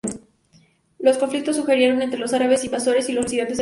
Los conflictos surgieron entre los árabes invasores y los residentes de la zona.